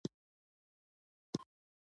دا احتمال د پومپیو په حق کې کمزوری ښکاري.